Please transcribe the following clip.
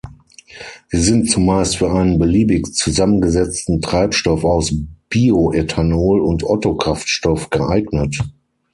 Sie sind zumeist für einen beliebig zusammengesetzten Treibstoff aus Bioethanol und Ottokraftstoff geeignet.